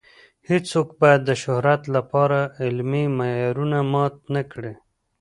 هیڅوک باید د شهرت لپاره علمي معیارونه مات نه کړي.